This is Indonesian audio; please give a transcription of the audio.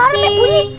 waduh banyak bunyi